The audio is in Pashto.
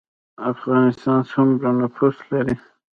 افغانستان سومره نفوس لري